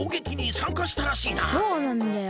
そうなんだよ。